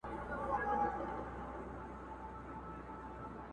څوك به اوښكي تويوي پر مينانو!!